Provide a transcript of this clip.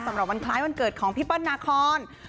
วันคล้ายวันเกิดของพี่เปิ้ลนาคอน